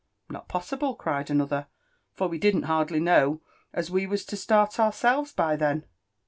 " Not possible t" cried another, "for we didn't hardly know as we was to start ourselves by then.